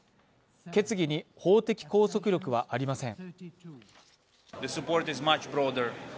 決議に法的拘束力はありません。